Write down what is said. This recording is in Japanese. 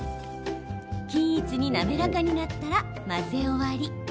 均一に滑らかになったら混ぜ終わり。